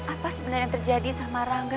apa sebenarnya yang terjadi sama rangga